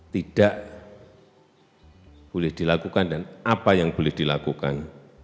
tidak boleh dilakukan dan apa yang boleh dilakukan